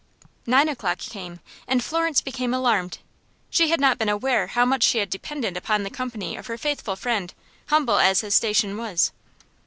Nine o'clock came, and Florence became alarmed. She had not been aware how much she had depended upon the company of her faithful friend, humble as his station was.